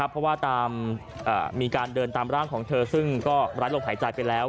เพราะว่ามีการเดินตามร่างของเธอซึ่งก็ร้ายลมหายใจไปแล้ว